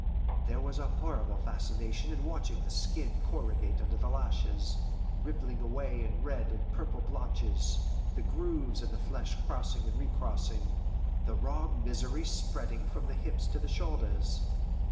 There was a horrible fascination in watching the skin corrugate under the lashes, rippling away in red and purple blotches, the grooves in the flesh crossing and recrossing, the raw misery spreading from the hips to the shoulders.